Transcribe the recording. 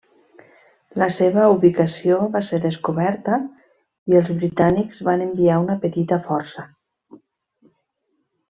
La seva ubicació va ser descoberta i els britànics van enviar una petita força.